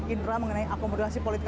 indra mengenai akomodasi politik